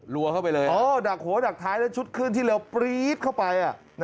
รัวเข้าไปเลยดักหัวดักท้ายแล้วชุดขึ้นที่เร็วปรี๊ดเข้าไป